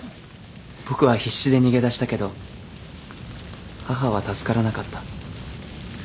僕は必死で逃げ出したけど母は助からなかった。